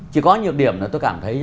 chỉ có nhược điểm là tôi cảm thấy